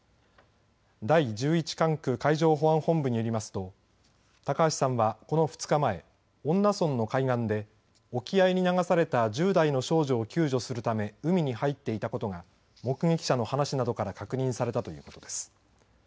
第１１管区海上保安本部によりますと高橋さんは、この２日前恩納村の海岸で沖合に流された１０代の少女を救助するため海に入っていたことが目撃者の話などから確認されたということです。